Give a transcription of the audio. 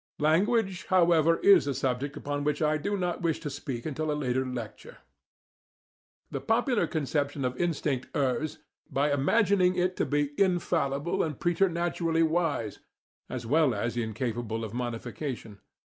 Language, however, is a subject upon which I do not wish to speak until a later lecture. * "Mind in Evolution" (Macmillan, 1915), pp. 236 237. The popular conception of instinct errs by imagining it to be infallible and preternaturally wise, as well as incapable of modification.